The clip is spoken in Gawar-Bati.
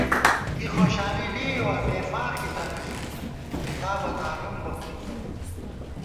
کی خوشالی لېئیوا مےفارکی تنگَئ کِتابہ دالُم بہ مُوئی